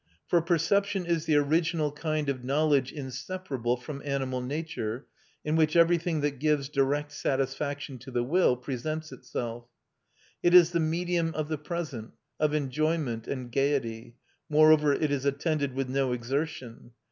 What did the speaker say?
For perception is the original kind of knowledge inseparable from animal nature, in which everything that gives direct satisfaction to the will presents itself. It is the medium of the present, of enjoyment and gaiety; moreover it is attended with no exertion.